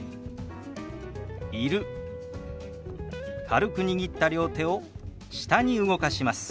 軽く握った両手を下に動かします。